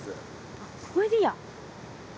あっこれでいいや。